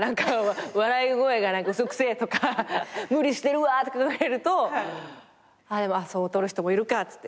「笑い声が嘘くせえ」とか「無理してるわ」とか言われるとそう取る人もいるかって。